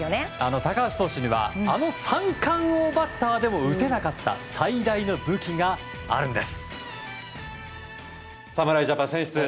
高橋投手にはあの三冠王バッターでも打てなかった最大の武器があるんです。